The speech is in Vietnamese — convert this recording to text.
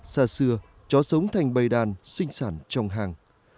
xa xưa chó sống thành bầy đàn sinh sản trong hàng